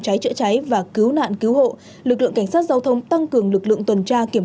cháy chữa cháy và cứu nạn cứu hộ lực lượng cảnh sát giao thông tăng cường lực lượng tuần tra kiểm